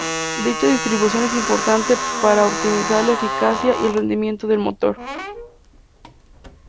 Dicha distribución es importante para optimizar la eficacia y el rendimiento del motor.